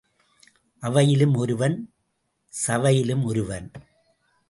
அவையிலும் ஒருவன், சவையிலும் ஒருவன்.